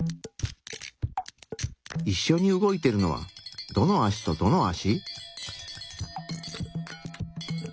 いっしょに動いてるのはどの足とどの足？